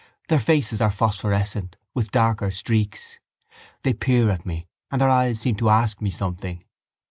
Their faces are phosphorescent, with darker streaks. They peer at me and their eyes seem to ask me something.